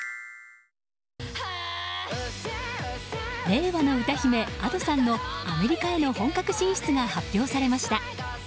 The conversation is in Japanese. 令和の歌姫Ａｄｏさんのアメリカへの本格進出が発表されました。